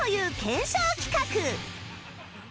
検証企画